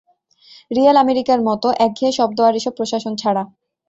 Real আমেরিকার মতো, একঘেঁয়ে শব্দ আর এসব প্রশাসন ছাড়া।